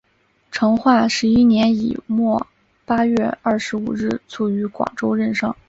成化十一年乙未八月二十五日卒于广州任上。